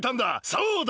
そうだ！